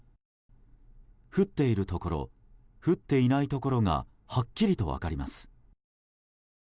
降っているところ降っていないところがはっきりと分かります。